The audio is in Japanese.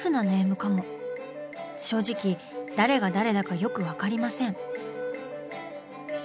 正直誰が誰だかよく分かりません。